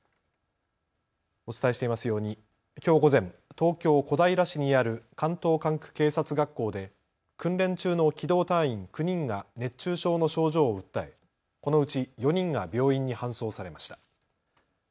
お伝えしていますようにきょう午前、東京小平市にある関東管区警察学校で訓練中の機動隊員９人が熱中症の症状を訴え、このうち４人が病院に搬送されました。